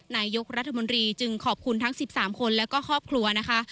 นายกรัฐมนตรีจึงขอบคุณทั้ง๑๓คนแล้วก็ครอบครัวนะคะ